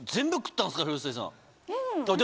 広末さん！